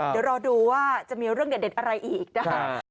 เดี๋ยวรอดูว่าจะมีเรื่องเด็ดอะไรอีกนะคะ